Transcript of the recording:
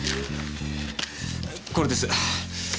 これです。